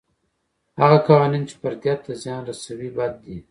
هغه قوانین چې فردیت ته زیان رسوي بد دي.